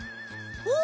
お！